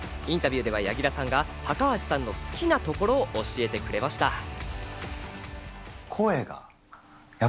インタビューでは柳楽さんが高橋さんの好きなところを教えてくれました。